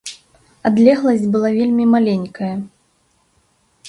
Адлегласць была вельмі маленькая.